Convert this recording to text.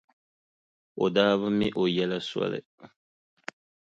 O daa bi mi o yɛla soli.